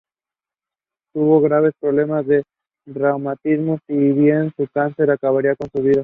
Tuvo graves problemas de reumatismo, si bien un cáncer acabaría con su vida.